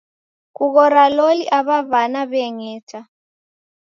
Kughora loli aw'a w'ana w'eng'eta